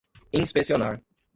inspecionar